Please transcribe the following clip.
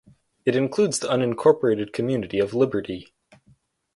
It includes the unincorporated community of Liberty.